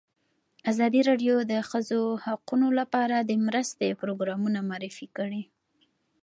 ازادي راډیو د د ښځو حقونه لپاره د مرستو پروګرامونه معرفي کړي.